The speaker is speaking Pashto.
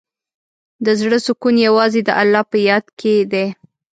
د زړۀ سکون یوازې د الله په یاد کې دی.